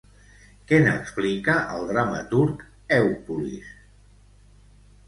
Què n'explica el dramaturg Èupolis?